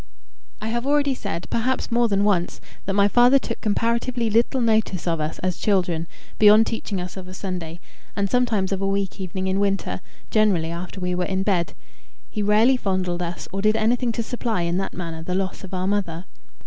I have already said, perhaps more than once, that my father took comparatively little notice of us as children, beyond teaching us of a Sunday, and sometimes of a week evening in winter, generally after we were in bed. He rarely fondled us, or did anything to supply in that manner the loss of our mother.